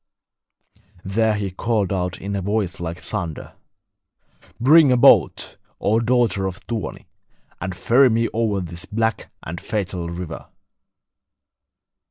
There he called out in a voice like thunder: 'Bring a boat, O daughter of Tuoni, and ferry me over this black and fatal river.'